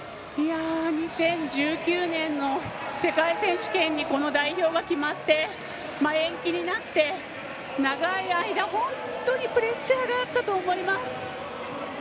２０１９年の世界選手権にこの代表が決まって延期になって、長い間本当にプレッシャーがあったと思います。